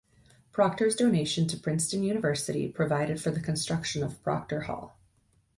Procter's donation to Princeton University provided for the construction of Procter Hall.